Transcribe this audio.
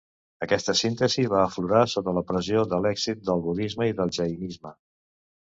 Aquesta síntesi va aflorar sota la pressió de l'èxit del budisme i el jainisme.